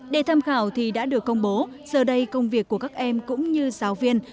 đề tham khảo thì đã được công bố giờ đây công việc của các em cũng như giáo viên